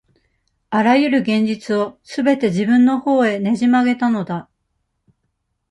あらゆる現実を、すべて自分のほうへねじ曲げたのだ。